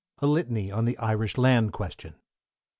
A LITANY ON THE IRISH LAND QUESTION.